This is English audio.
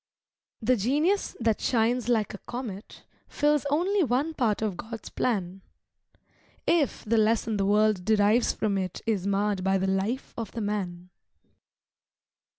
The genius that shines like a comet Fills only one part of God's plan, If the lesson the world derives from it Is marred by the life of the man.